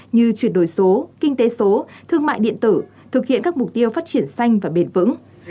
như chuyển đổi số kinh tế số thương mại điện tử thực hiện các mục tiêu phát triển xanh và bền vững